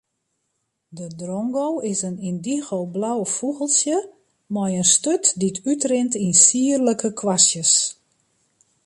De drongo is in yndigoblau fûgeltsje mei in sturt dy't útrint yn sierlike kwastjes.